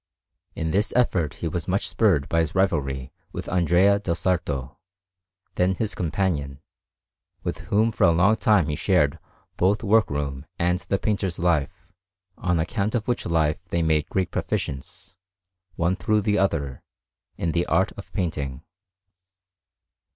In this effort he was much spurred by his rivalry with Andrea del Sarto, then his companion, with whom for a long time he shared both work room and the painter's life; on account of which life they made great proficience, one through the other, in the art of painting.